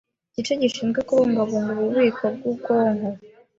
igice gishinzwe kubungabunga ububiko bw’ubwonko